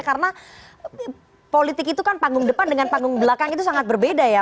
karena politik itu kan panggung depan dengan panggung belakang itu sangat berbeda ya